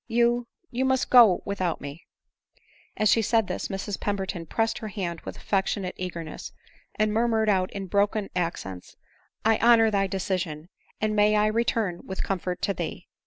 You, you must go without me," I s 306 ADELINE MOWBRAY. As she said this, Mrs Pemberton pressed her hand with affectionate eagerness, and murmured out in broken ac cents, " I honor thy decision, and may I return with comfort to thee